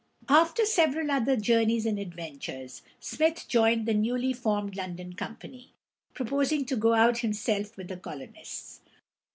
After several other journeys and adventures, Smith joined the newly formed London Company, proposing to go out himself with the colonists.